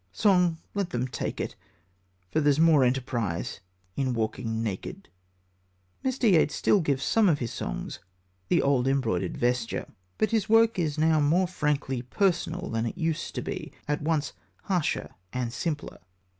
Song, let them take it, For there's more enterprise In walking naked. Mr. Yeats still gives some of his songs the old embroidered vesture. But his work is now more frankly personal than it used to be at once harsher and simpler.